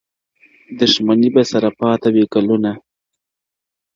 دښمني به سره پاته وي کلونه-